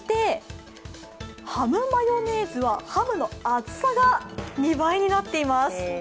ハムマヨネーズはハムの厚さが２倍になっています。